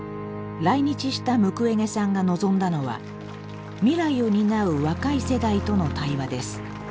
来日したムクウェゲさんが望んだのは未来を担う若い世代との対話です。